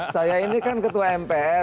saya ini kan ketua mpr